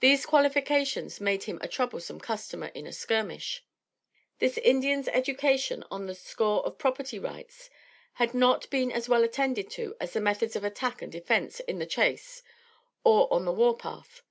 These qualifications made him a troublesome customer in a skirmish. This Indian's education on the score of property rights had not been as well attended to as the methods of attack and defence in the chase and on the war path.